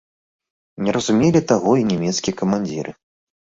Не разумелі таго і нямецкія камандзіры.